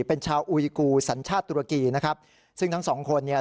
เป็นชาวอุยกูสัญชาติตุรกีนะครับซึ่งทั้งสองคนเนี่ย